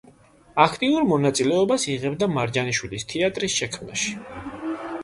აქტიურ მონაწილეობას იღებდა მარჯანიშვილის თეატრის შექმნაში.